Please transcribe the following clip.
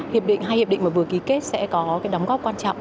hiệp định hai hiệp định mà vừa ký kết sẽ có cái đóng góp quan trọng